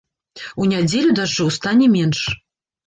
У нядзелю дажджоў стане менш.